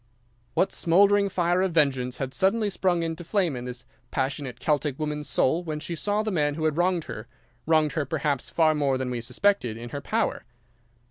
"What smouldering fire of vengeance had suddenly sprung into flame in this passionate Celtic woman's soul when she saw the man who had wronged her—wronged her, perhaps, far more than we suspected—in her power?